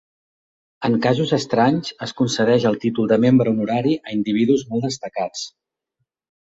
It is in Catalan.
En casos estranys, es concedeix el títol de membre honorari a individus molt destacats.